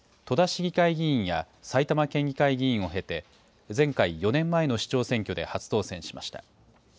戸田市議会議員や埼玉県議会議員を経て、前回・４年前の市長選挙で初当選しました。